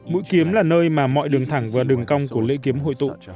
mũi kiếm là nơi mà mọi đường thẳng và đường cong của lễ kiếm hội tụ